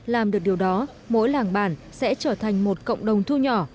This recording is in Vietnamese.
làm được điều đó mỗi làng bản sẽ trở thành một cộng đồng thu nhỏ